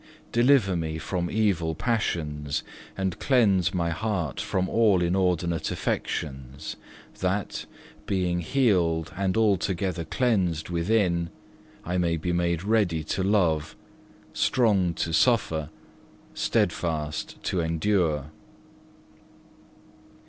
Deliver me from evil passions, and cleanse my heart from all inordinate affections, that, being healed and altogether cleansed within, I may be made ready to love, strong to suffer, steadfast to endure.